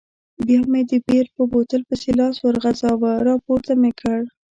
بیا مې د بیر په بوتل پسې لاس وروغځاوه، راپورته مې کړ.